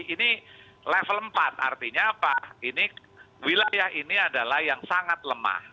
ini level empat artinya apa ini wilayah ini adalah yang sangat lemah